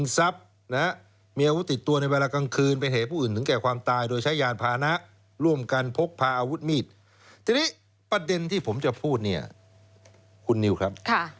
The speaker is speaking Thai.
ที่นี่ประเด็นที่ผมจะพูดคุณนิวครับ